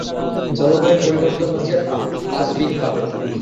জলবায়ুর পরিবর্তন হচ্ছে পাশবিকভাবে!